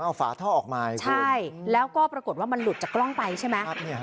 เอาฝาท่อออกมาใช่แล้วก็ปรากฏว่ามันหลุดจากกล้องไปใช่ไหม